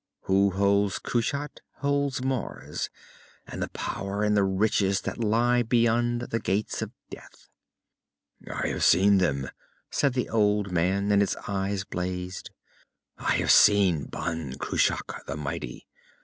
Who holds Kushat, holds Mars and the power and the riches that lie beyond the Gates of Death!" "I have seen them," said the old man, and his eyes blazed. "I have seen Ban Cruach the mighty.